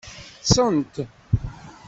Ṭṭṣent.